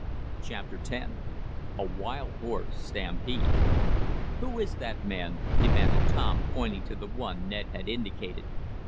CHAPTER X A WILD HORSE STAMPEDE "Who is that man?" demanded Tom pointing to the one Ned had indicated.